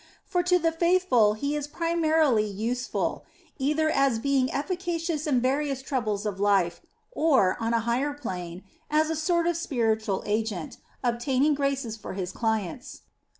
For to the faithful he is primarily useful, either as being efficacious in various troubles of life or, on a higher plane, as a sort of spiritual agent, obtaining graces for his clients.